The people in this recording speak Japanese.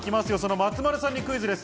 松丸さんにクイズです。